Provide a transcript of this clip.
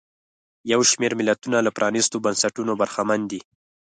یو شمېر ملتونه له پرانیستو بنسټونو برخمن دي.